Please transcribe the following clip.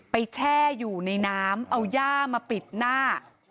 แช่อยู่ในน้ำเอาย่ามาปิดหน้า